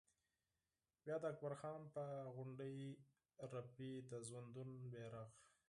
بیا د اکبر خان پر غونډۍ رپي د ژوندون بيرغ